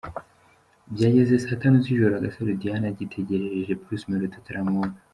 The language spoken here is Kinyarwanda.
Byageze saa tanu z’ijoro Agasaro Diane agitegerereje Bruce Melody ataramubona.